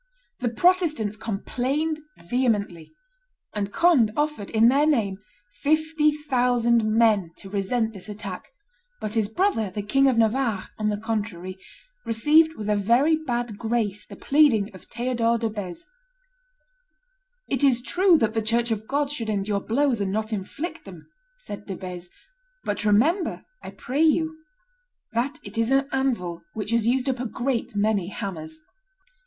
The Protestants complained vehemently; and Conde offered, in their name, fifty thousand men to resent this attack, but his brother, the King of Navarre, on the contrary, received with a very bad grace the pleading of Theodore de Beze. "It is true that the church of God should endure blows and not inflict them," said De Beze, "but remember, I pray you, that it is an anvil which has used up a great many hammers."